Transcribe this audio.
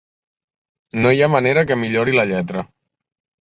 No hi ha manera que millori la lletra.